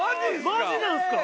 マジなんですか？